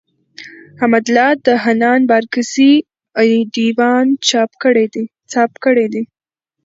حمدالله د حنان بارکزي دېوان څاپ کړی دﺉ.